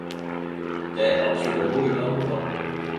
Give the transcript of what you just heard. Dette er absolutt ei bok eg vil anbefale!